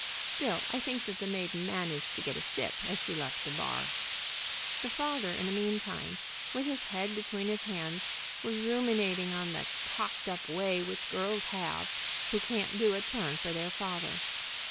Still, I think that the maiden managed to get a sip as she left the bar. The father, in the mean time with his head between his hands, was ruminating on the "cocked up way which girls have who can't do a turn for their father."